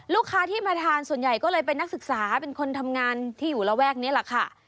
ลูกค้าที่มาทานส่วนใหญ่ก็เลยเป็นนักศึกษาเป็นคนทำงานที่อยู่ระแวกนี้แหละค่ะ